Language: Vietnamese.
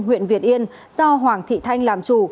huyện việt yên do hoàng thị thanh làm chủ